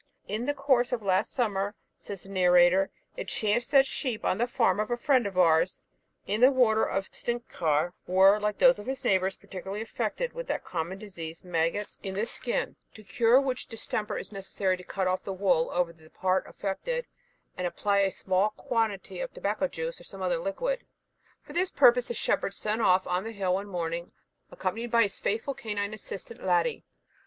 In the course of last summer, says the narrator, it chanced that the sheep on the farm of a friend of ours, on the water of Stinchar, were, like those of his neighbours, partially affected with that common disease, maggots in the skin, to cure which distemper it is necessary to cut off the wool over the part affected, and apply a small quantity of tobacco juice, or some other liquid. For this purpose the shepherd set off to the hill one morning, accompanied by his faithful canine assistant, Ladie.